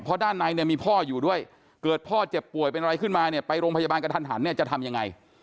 เพราะด้านในเนี่ยมีพ่ออยู่ด้วยเกิดพ่อเจ็บป่วยเป็นอะไรขึ้นมาเนี่ยไปโรงพยาบาลกระทันหันเนี่ยจะทำยังไง